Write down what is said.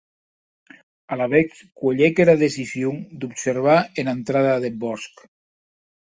Alavetz cuelhec era decision d’observar ena entrada deth bòsc.